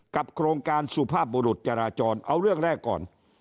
โครงการสุภาพบุรุษจราจรเอาเรื่องแรกก่อน